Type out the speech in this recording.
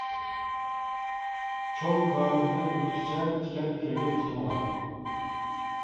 چوڭ كارىزدىن ئۆتكۈچە، تىكەن كىردى پۇتۇمغا.